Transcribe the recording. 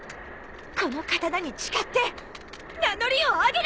この刀に誓って名乗りを上げなさい！